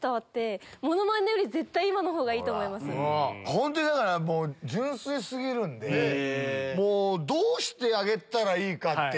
本当にだから純粋過ぎるんでどうしてあげたらいいかっていう。